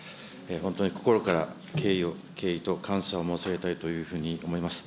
本当に心から敬意と感謝を申し上げたいというふうに思います。